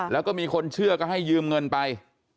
แล้วก็มีคนเชื่อก็ให้ยืมเงินไป